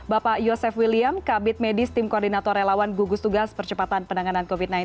bapak yosef william kabit medis tim koordinator relawan gugus tugas percepatan penanganan covid sembilan belas